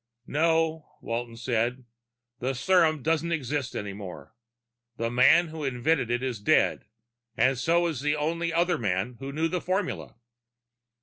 "No," Walton said. "The serum doesn't exist any more. The man who invented it is dead, and so is the only other man who knew the formula."